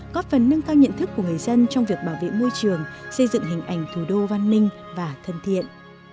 có phần nâng cao nhận thức của người dân trong việc bảo vệ môi trường xây dựng hình ảnh thủ đô văn minh và thân thiện